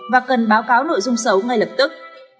và cần báo cáo nội dung xấu ngay lập tức